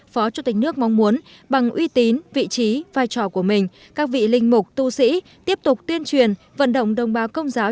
phó chủ tịch nước mong muốn bằng uy tín vị trí vai trò của mình các vị linh mục tu sĩ tiếp tục tuyên truyền vận động đồng bào công giáo